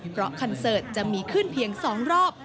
เพราะคอนเสิร์ตจะมีขึ้นเพียง๒รอบ